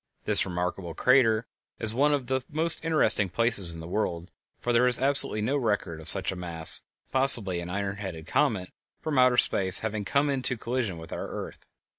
This remarkable crater is one of the most interesting places in the world, for there is absolutely no record of such a mass, possibly an iron headed comet, from outer space having come into collision with our earth.